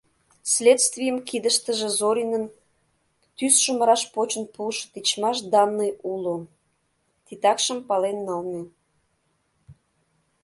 Следствийым кидыштыже Зоринын тӱсшым раш почын пуышо тичмаш данный уло, титакшым пален налме.